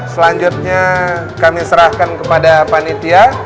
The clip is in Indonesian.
selanjutnya kami serahkan kepada panitia